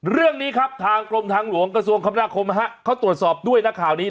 เรื่องนี้ครับทางกรมทางหลวงกระทรวงคมนาคมเขาตรวจสอบด้วยนะข่าวนี้